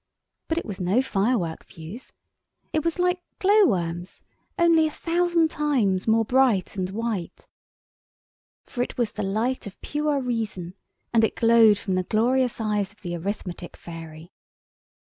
But it was no firework fusee. It was like glow worms, only a thousand times more bright and white. For it was the light of pure reason, and it glowed from the glorious eyes of the Arithmetic Fairy.